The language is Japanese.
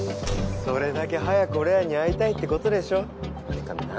それだけ早く俺らに会いたいってことでしょってかな